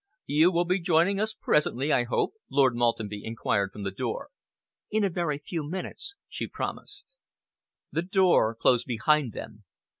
"You will be joining us presently, I hope?" Lord Maltenby enquired from the door. "In a very few minutes," she promised. The door closed behind them.